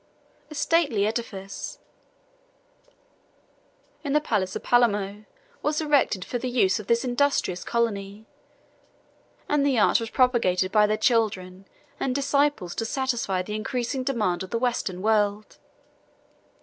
23 A stately edifice, in the palace of Palermo, was erected for the use of this industrious colony; 24 and the art was propagated by their children and disciples to satisfy the increasing demand of the western world.